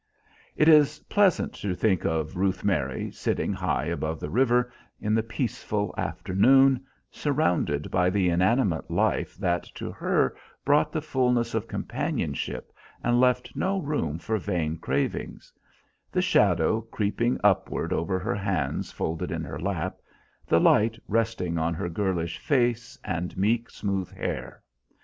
It is pleasant to think of Ruth Mary, sitting high above the river, in the peaceful afternoon, surrounded by the inanimate life that to her brought the fullness of companionship and left no room for vain cravings; the shadow creeping upward over her hands folded in her lap, the light resting on her girlish face and meek, smooth hair.